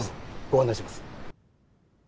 ご案内します。